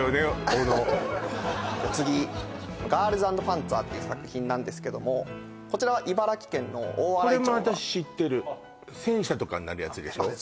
おの次「ガールズ＆パンツァー」っていう作品なんですけどもこちらは茨城県の大洗町がこれも私知ってる戦車とかになるやつでしょあっ